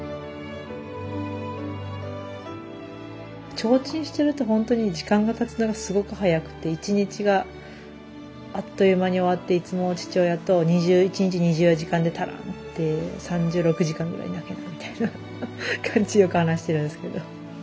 提灯してるとほんとに時間がたつのがすごく早くて１日があっという間に終わっていつも父親と１日２４時間じゃ足らんって３６時間ぐらいなきゃなみたいな感じでよく話してるんですけど。